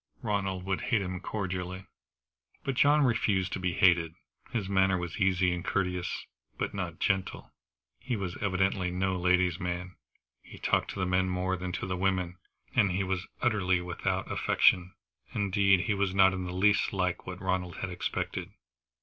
Ronald would hate him cordially. But John refused to be hated. His manner was easy and courteous, but not gentle. He was evidently no lady's man. He talked to the men more than to the women, and he was utterly without affectation. Indeed, he was not in the least like what Ronald had expected.